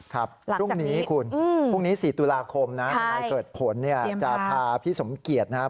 ครับพรุ่งนี้คุณพรุ่งนี้๔ตุลาคมนะทนายเกิดผลเนี่ยจะพาพี่สมเกียจนะครับ